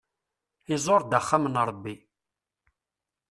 Iẓur-d axxam n Ṛebbi.